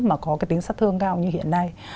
mà có cái tính sát thương cao như hiện nay